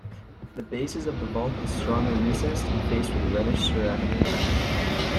The bases of the vault is strongly recessed and faced with reddish ceramic tile.